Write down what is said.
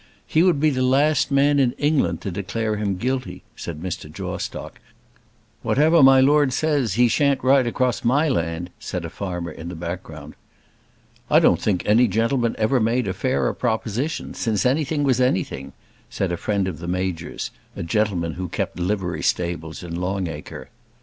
"He would be the last man in England to declare him guilty," said Mr. Jawstock. "Whatever my lord says, he shan't ride across my land," said a farmer in the background. "I don't think any gentleman ever made a fairer proposition, since anything was anything," said a friend of the Major's, a gentleman who kept livery stables in Long Acre.